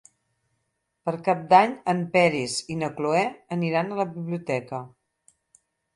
Per Cap d'Any en Peris i na Cloè aniran a la biblioteca.